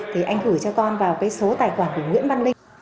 thì anh gửi cho con vào cái số tài khoản của nguyễn văn linh